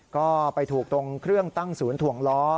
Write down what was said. ก็ไปถูกตรงเครื่องตั้งศูนย์ถ่วงล้อ